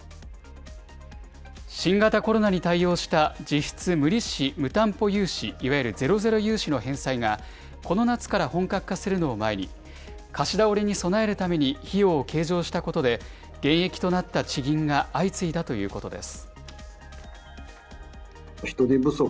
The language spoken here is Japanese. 新型コロナに対応した実質無利子・無担保融資、いわゆるゼロゼロ融資の返済が、この夏から本格化するのを前に、貸し倒れに備えるために費用を計上したことで、減益となった地銀が相次いだということです。